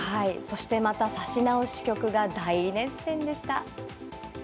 そしてまた指し直し局が大熱戦でした。